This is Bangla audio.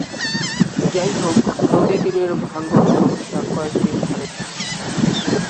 যাইহোক, নদী তীরের ভাঙ্গন সমস্যা কয়েকটি স্থানে সীমাবদ্ধ।